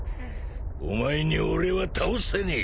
お前に俺は倒せねえ。